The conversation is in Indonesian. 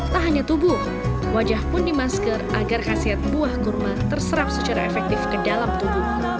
tak hanya tubuh wajah pun dimasker agar khasiat buah kurma terserap secara efektif ke dalam tubuh